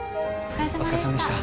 お疲れさまでした。